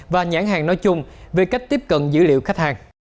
và nhãn hàng nói chung về cách tiếp cận dữ liệu khách hàng